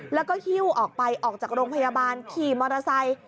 แล้วก็หิ้วออกไปออกจากโรงพยาบาลขี่มอเตอร์ไซค์